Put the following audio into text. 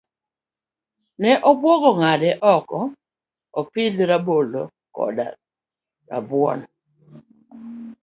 Ne obuogo ng'ade oko kendo opith rabolo koda rabuon.